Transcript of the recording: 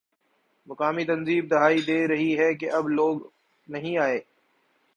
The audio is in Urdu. مقامی تنظیم دہائی دے رہی ہے کہ اب لوگ نہیں آتے